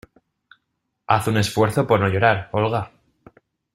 Haz un esfuerzo por no llorar, ¡Olga!